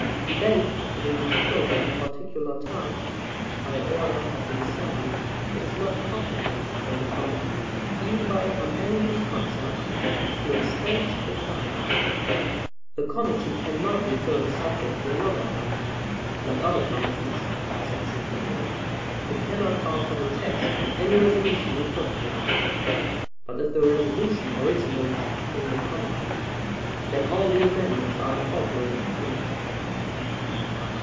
Debate having been closed at a particular time by order of the assembly, it is not competent for the committee, even by unanimous consent, to extend the time. The committee cannot refer the subject to another committee. Like other committees [§ 28], it cannot alter the text of any resolution referred to it; but if the resolution originated in the committee, then all the amendments are incorporated in it.